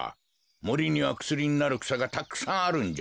もりにはくすりになるくさがたくさんあるんじゃ。